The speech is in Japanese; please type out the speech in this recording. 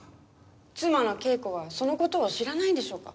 妻の啓子はその事を知らないんでしょうか？